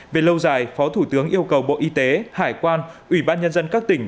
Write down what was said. về lâu dài phó thủ tướng yêu cầu bộ y tế hải quan ủy ban nhân dân các tỉnh